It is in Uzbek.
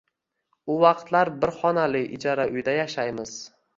U vaqtlar bir xonali ijara uyda yashaymiz